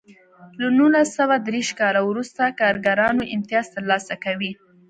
له نولس سوه دېرش کال وروسته کارګرانو امتیاز ترلاسه کوی.